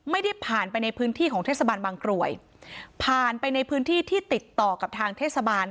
ไม่ได้ผ่านไปในพื้นที่ของเทศบาลบางกรวยผ่านไปในพื้นที่ที่ติดต่อกับทางเทศบาล